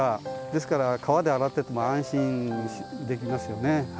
ですから川で洗ってても安心できますよね。